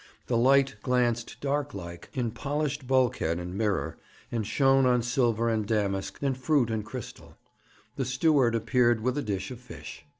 The light glanced dart like in polished bulkhead and mirror, and shone on silver and damask, and fruit and crystal. The steward appeared with a dish of fish.